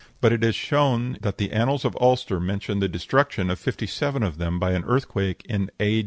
But it is shown that the "Annals of Ulster" mention the destruction of fifty seven of them by an earthquake in A.